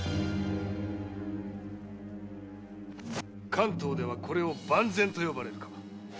関東ではこれを万全と呼ばれるか？